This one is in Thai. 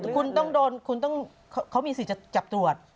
คุณต้องโดนคุณต้องเขามีสิทธิ์จะจับตรวจ